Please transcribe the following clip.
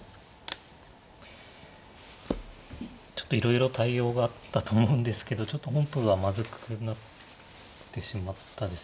ちょっといろいろ対応があったと思うんですけどちょっと本譜はまずくなってしまったですね。